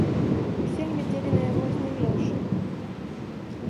Усе глядзелі на яго знямеўшы.